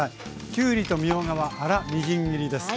きゅうりとみょうがは粗みじん切りです。